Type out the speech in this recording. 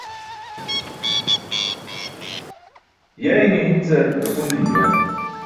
Yayne hi̇ncar ẓakun nim juwan.